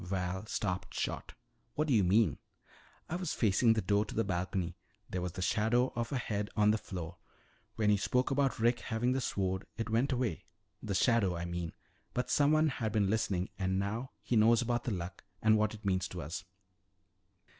Val stopped short. "What do you mean?" "I was facing the door to the balcony. There was the shadow of a head on the floor. When you spoke about Rick having the sword, it went away the shadow, I mean. But someone had been listening and now he knows about the Luck and what it means to us."